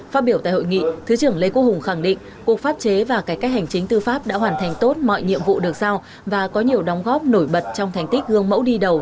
phát biểu tại hội nghị thứ trưởng lê quốc hùng khẳng định cục pháp chế và cải cách hành chính tư pháp đã hoàn thành tốt mọi nhiệm vụ được giao và có nhiều đóng góp nổi bật trong thành tích gương mẫu đi đầu